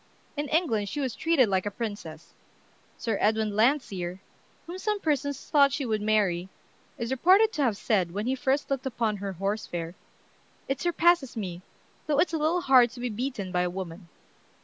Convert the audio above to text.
In England she was treated like a princess. Sir Edwin Landseer, whom some persons thought she would marry, is reported to have said, when he first looked upon her "Horse Fair," "It surpasses me, though it's a little hard to be beaten by a woman."